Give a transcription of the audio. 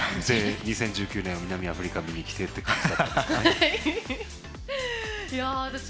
２０１９年、南アフリカ見にきてって感じだったんじゃないですか。